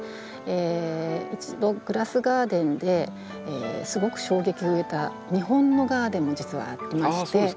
一度グラスガーデンですごく衝撃を受けた日本のガーデンも実はありまして。